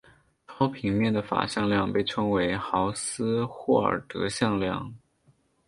超平面的法向量被称作豪斯霍尔德向量。